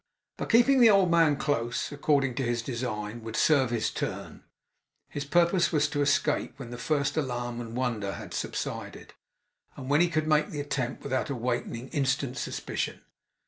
But keeping the old man close, according to his design, would serve his turn. His purpose was to escape, when the first alarm and wonder had subsided; and when he could make the attempt without awakening instant suspicion.